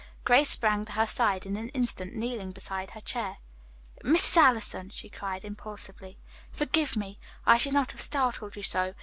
Grace sprang to her side in an instant, kneeling beside her chair. "Mrs. Allison," she cried impulsively. "Forgive me. I should not have startled you so.